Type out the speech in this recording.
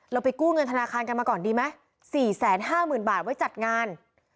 เราไปกู้เงินธนาคารกันมาก่อนดีไหมสี่แสนห้าหมื่นบาทไว้จัดงาน